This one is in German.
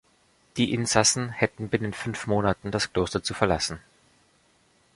Die Insassen hätten binnen fünf Monaten das Kloster zu verlassen.